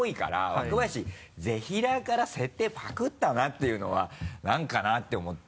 若林ぜひらーから設定パクったなっていうのは何かなって思って。